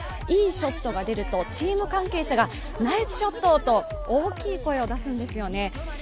いいショットが出るとチーム関係者がナイスショット！と大きい声を出すんですよね。